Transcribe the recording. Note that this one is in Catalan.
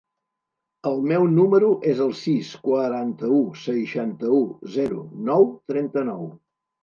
El meu número es el sis, quaranta-u, seixanta-u, zero, nou, trenta-nou.